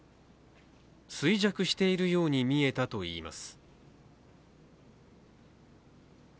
衰弱しているように見えたといいます。